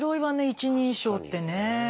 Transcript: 一人称ってね。